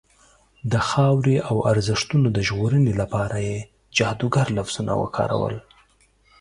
د خاورې او ارزښتونو د ژغورنې لپاره یې جادوګر لفظونه وکارول.